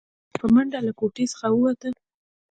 په منډه له کوټې څخه ووته.